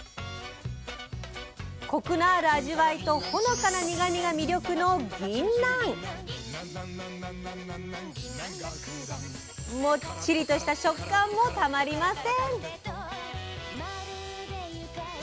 コクのある味わいとほのかな苦みが魅力のもっちりとした食感もたまりません！